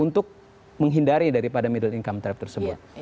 untuk menghindari daripada middle income trap tersebut